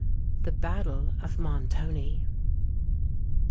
THE BATTLE OF MONTONI.